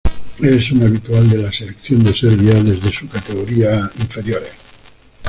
Es un habitual de la selección de Serbia desde sus categorías inferiores.